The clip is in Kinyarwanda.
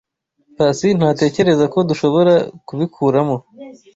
Pacy ntatekereza ko dushobora kubikuramo.